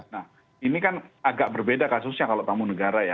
nah ini kan agak berbeda kasusnya kalau tamu negara ya